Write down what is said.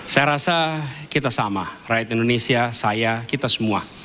saya rasa kita sama rakyat indonesia saya kita semua